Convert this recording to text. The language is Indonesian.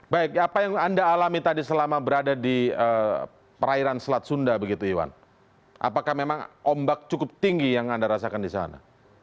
baik apa yang anda alami tadi selama berada di perairan selat sunda begitu iwan apakah memang ombak cukup tinggi yang anda rasakan di sana